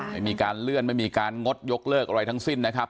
ไม่มีการเลื่อนไม่มีการงดยกเลิกอะไรทั้งสิ้นนะครับ